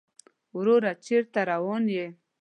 وروره چېرته روان يې؟